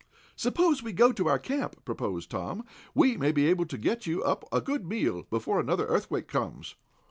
"Suppose we go to our camp," proposed Tom. "We may be able to get you up a good meal, before another earthquake comes."